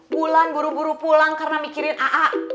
bulan buru buru pulang karena mikirin aa